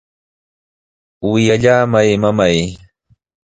¡Wiyallamay, mamay!